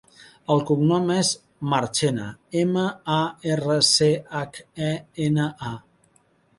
El cognom és Marchena: ema, a, erra, ce, hac, e, ena, a.